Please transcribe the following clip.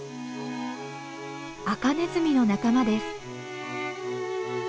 アカネズミの仲間です。